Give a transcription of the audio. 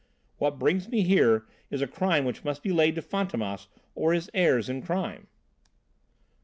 What brings me here is a crime which must be laid to Fantômas or his heirs in crime."